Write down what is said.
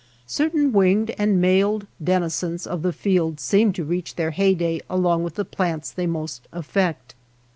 Certain winged and mailed denizens of the field seem to reach their heyday along with the plants they most affect.